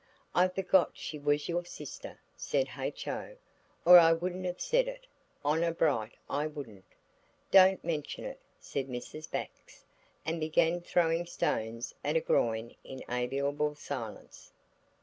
"I forgot she was your sister," said H.O., "or I wouldn't have said it–honour bright I wouldn't." "Don't mention it," said Mrs. Bax, and began throwing stones at a groin in amiable silence.